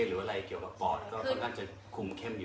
หรืออะไรเกี่ยวกับปอดก็น่าจะคุมเข้มอยู่